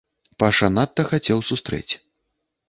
Паша надта хацеў сустрэць.